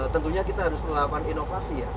tentunya kita harus melakukan inovasi ya